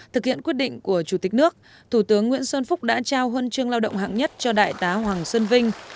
thực hiện quyết định của chủ tịch nước thủ tướng nguyễn xuân phúc đã trao huân chương lao động hạng nhất cho đại tá hoàng xuân vinh